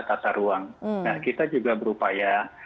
tata ruang nah kita juga berupaya